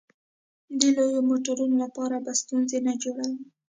د لویو موټرو لپاره به ستونزې نه جوړوې.